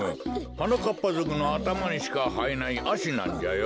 はなかっぱぞくのあたまにしかはえないアシなんじゃよ。